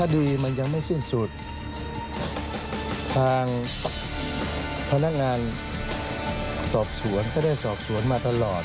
คดีมันยังไม่สิ้นสุดทางพนักงานสอบสวนก็ได้สอบสวนมาตลอด